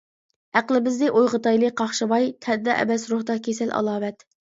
ئەقلىمىزنى ئويغىتايلى قاقشىماي، تەندە ئەمەس روھتا كېسەل ئالامەت.